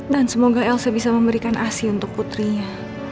dan semoga elsa bisa memberikan asih untuk putrinya